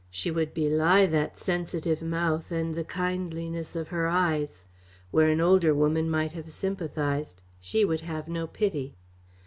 She would belie that sensitive mouth and the kindliness of her eyes. Where an older woman might have sympathised she would have no pity.